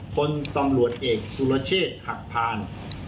คนตำรวจเอกสุรเชษฐ์หักพาน